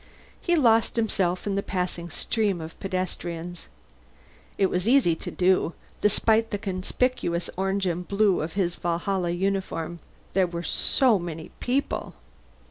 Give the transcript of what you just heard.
He lost himself in the passing stream of pedestrians. It was easy to do, despite the conspicuous orange and blue of his Valhalla uniform. There were so many people.